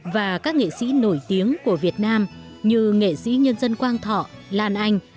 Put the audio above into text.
và các nghệ sĩ nổi tiếng của việt nam như nghệ sĩ nhân dân quang thọ lan anh